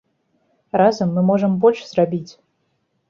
Разам мы можам больш зрабіць!